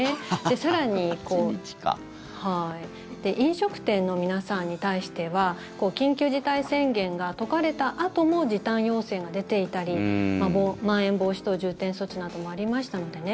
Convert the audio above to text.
更に飲食店の皆さんに対しては緊急事態宣言が解かれたあとも時短要請が出ていたりまん延防止等重点措置などもありましたのでね